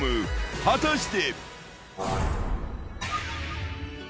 果たして。